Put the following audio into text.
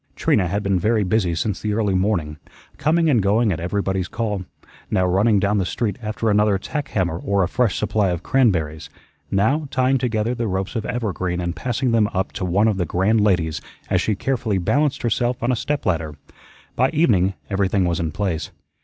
Trina had been very busy since the early morning, coming and going at everybody's call, now running down the street after another tack hammer or a fresh supply of cranberries, now tying together the ropes of evergreen and passing them up to one of the grand ladies as she carefully balanced herself on a step ladder. By evening everything was in place.